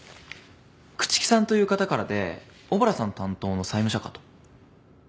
朽木さんという方からで小原さん担当の債務者かと。